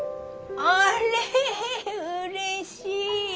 ☎あれうれしい。